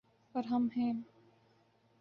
اور ہم ہیں۔